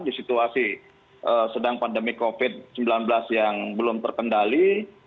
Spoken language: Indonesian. di situasi sedang pandemi covid sembilan belas yang belum terkendali